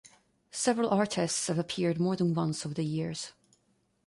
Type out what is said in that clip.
Several artists have appeared more than once over the years.